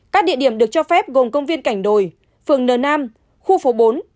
các địa điểm được cho phép gồm công viên cảnh đồi phường n nam khu phố bốn